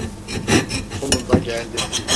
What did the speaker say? Sonunda geldi.